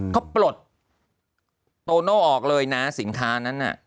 เขาปลดโตโน่ออกเลยนะสินค้านั้นน่ะ